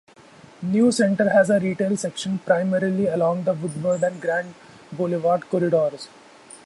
New Center has a retail section, primarily along the Woodward and Grand Boulevard corridors.